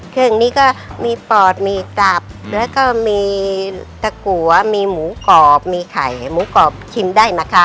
เครื่องนี้ก็มีปอดมีตับแล้วก็มีตะกัวมีหมูกรอบมีไข่หมูกรอบชิมได้นะคะ